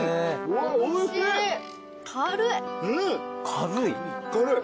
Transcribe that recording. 軽い？